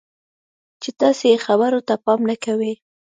چې تاسې یې خبرو ته پام نه کوئ.